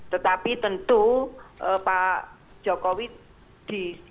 tetapi tentu pak jokowi diyakinkan oleh pusat